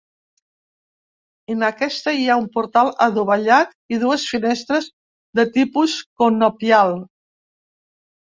En aquesta, hi ha un portal adovellat i dues finestres de tipus conopial.